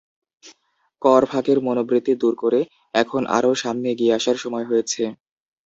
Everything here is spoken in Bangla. কর ফাঁকির মনোবৃত্তি দূর করে এখন আরও সামনে এগিয়ে আসার সময় হয়েছে।